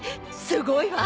すごいわ！